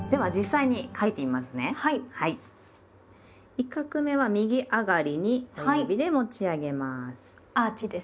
１画目は右上がりに親指で持ち上げます。